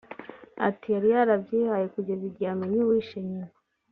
Ati “Yari yarabyihaye kugeza igihe amenye uwishe nyina